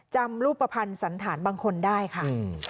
จำรูปภัณฑ์สันฐานบางคนได้ค่ะ